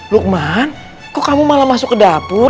lukman kok kamu malah masuk ke dapur